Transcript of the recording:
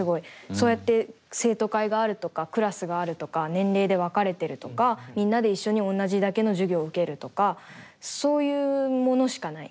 そうやって生徒会があるとかクラスがあるとか年齢で分かれてるとかみんなで一緒におんなじだけの授業を受けるとかそういうものしかない。